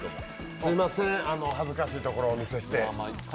すみません、恥ずかしいところをお見せして。